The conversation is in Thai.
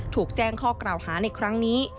ถูกแจ้งข้อกล่าวหาในครั้งนี้